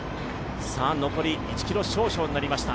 残り１ｋｍ少々になりました。